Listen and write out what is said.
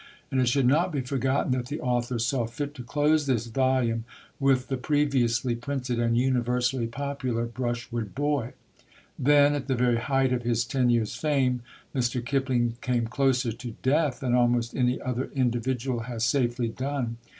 And it should not be forgotten that the author saw fit to close this volume with the previously printed and universally popular Brushwood Boy. Then, at the very height of his ten years' fame, Mr. Kipling came closer to death than almost any other individual has safely done.